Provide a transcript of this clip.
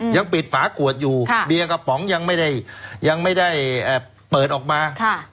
ยังปิดฝาขวดอยู่เบียร์กระป๋องยังไม่ได้ยังไม่ได้เปิดออกมา